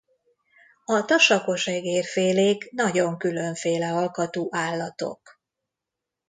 A tasakosegér-félék nagyon különféle alkatú állatok.